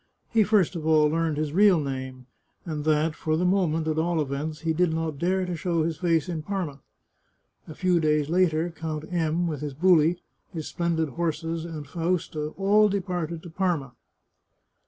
He first of all learned his real name, and that, for the moment, at all events, he did not dare to show his face in Parma. A few days later Count M , with his buli, his splendid horses, and Fausta, all departed to Parma.